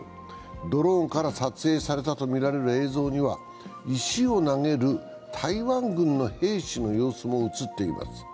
ドローンから撮影されたとみられる映像には石を投げる台湾軍の兵士の様子も映っています。